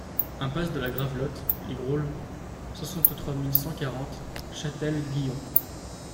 Impasse de la Gravelotte Les Grosl, soixante-trois mille cent quarante Châtel-Guyon